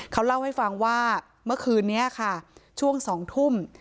เขาเล่าให้ฟังว่าเมื่อคืนนี้ค่ะช่วง๒ทุ่ม